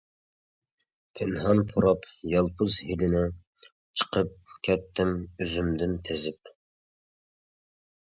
پىنھان پۇراپ يالپۇز ھىدىنى، چىقىپ كەتتىم ئۆزۈمدىن تىزىپ.